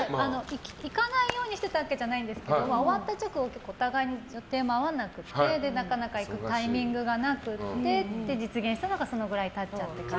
行かないようにしていたわけじゃないんですけど終わった直後はお互いに予定も合わなくてなかなか行くタイミングがなくて実現したのが、そのぐらい経っちゃってから。